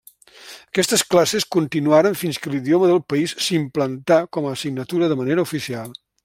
Aquestes classes continuaren fins que l'idioma del país s'implantà com a assignatura de manera oficial.